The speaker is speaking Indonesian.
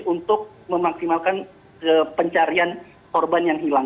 untuk memaksimalkan pencarian korban yang hilang